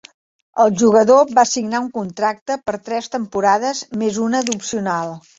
El jugador va signar un contracte per tres temporades més una d'opcional.